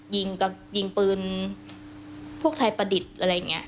ยิงกับยิงปืนพวกไทยประดิษฐ์อะไรอย่างนี้